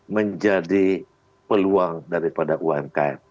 menjadi peluang daripada umkm